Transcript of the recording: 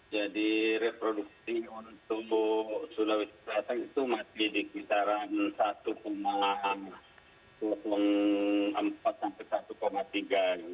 jadi reproduksi untuk sulawesi selatan itu masih di kisaran satu empat sampai satu tiga